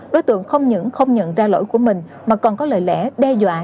đối tượng không những không nhận ra lỗi của mình mà còn có lời lẽ đe dọa